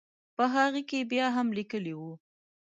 په هغه کې بیا هم لیکلي وو.